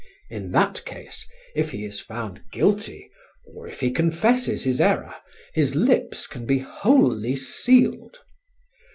In that case, if he is found guilty or if he confesses his error, his lips can be wholly sealed.